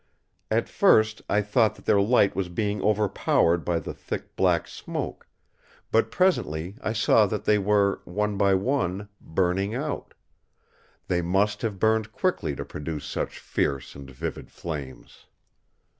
At first I thought that their light was being overpowered by the thick black smoke; but presently I saw that they were, one by one, burning out. They must have burned quickly to produce such fierce and vivid flames.